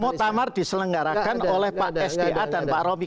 muktamar diselenggarakan oleh pak sda dan pak romi